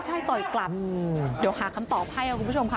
ใช่ต่อยกลับเดี๋ยวหาคำตอบให้ค่ะคุณผู้ชมค่ะ